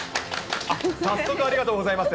早速ありがとうございます。